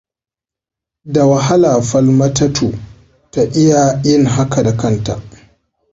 Da wahala Falmatatu ta iya yin haka da kanta.